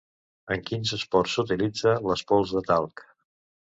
En quins esports s'utilitza les pols de talc?